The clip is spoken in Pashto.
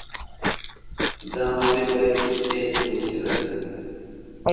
دا مورد باید په جدیت سره وڅېړل شي.